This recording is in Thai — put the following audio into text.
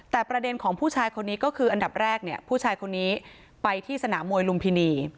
แต่ประเด็นของผู้ชายคนนี้ก็คืออันดับแรกเนี่ยผู้ชายคนนี้ไปที่สนามมวยลุมพินี